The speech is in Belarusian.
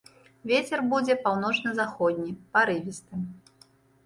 Вецер будзе паўночна-заходні, парывісты.